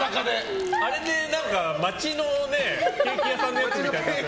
あれで街のケーキ屋さんのやつみたいな。